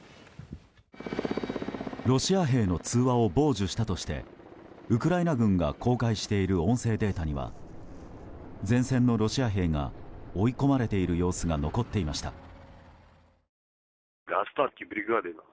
ロシア兵の通話を傍受したとしてウクライナ軍が公開している音声データには前線のロシア兵が追い込まれている様子が残っていました。